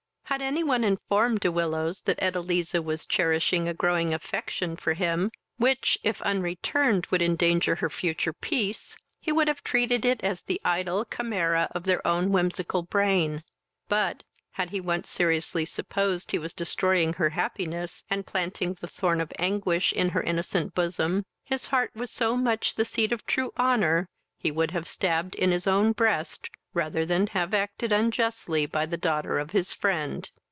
Had any one informed De Willows that Edeliza was cherishing a growing affection for him, which, if unreturned, would endanger her future peace, he would have treated it as the idle chimera of their own whimsical brain; but, had he once seriously supposed he was destroying her happiness, and planting the thorn of anguish in her innocent bosom, his heart was so much the seat of true honour, he would have stabbed in his own breast rather than have acted unjustly by the daughter of his friend.